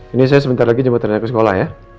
ini saya sebentar lagi jemput rena ke sekolah ya